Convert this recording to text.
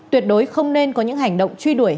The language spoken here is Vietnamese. tuyệt đối không nên có những hành động truy đuổi